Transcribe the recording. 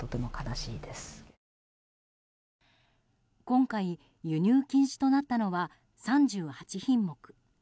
今回、輸入禁止となったのは３８品目。